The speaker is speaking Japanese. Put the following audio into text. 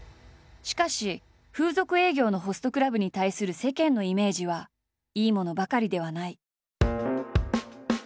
しかし風俗営業のホストクラブに対する世間のイメージはいいものばかりではない。